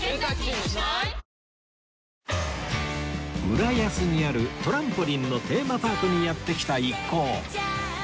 浦安にあるトランポリンのテーマパークにやって来た一行